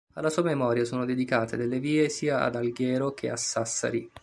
Alla sua memoria sono dedicate delle vie sia ad Alghero che a Sassari.